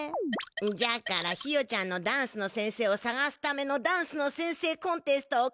じゃからひよちゃんのダンスの先生をさがすためのダンスの先生コンテストを開さいするのじゃ。